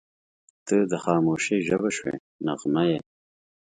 • ته د خاموشۍ ژبه شوې نغمه یې.